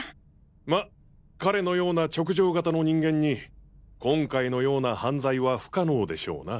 ま彼のような直情型の人間に今回のような犯罪は不可能でしょうな。